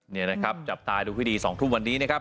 นี่นะครับจับตาดูพิธี๒ทุ่มวันนี้นะครับ